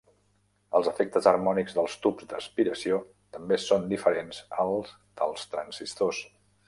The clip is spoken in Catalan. Els efectes harmònics dels tubs d'aspiració també son diferents als dels transistors.